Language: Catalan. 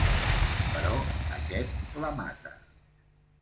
Però aquest la mata.